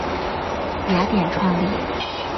雅典创立。